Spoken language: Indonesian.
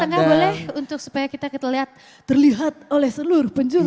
kita ke tengah boleh supaya kita lihat terlihat oleh seluruh penjuru